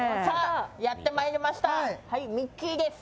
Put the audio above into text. やってまいりましたミッキーです。